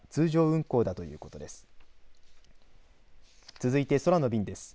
続いて空の便です。